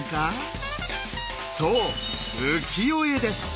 そう「浮世絵」です。